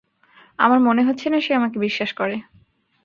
আমার মনে হচ্ছে না সে আমাকে বিশ্বাস করে।